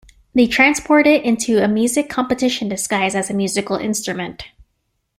They transport it into a music competition disguised as a musical instrument.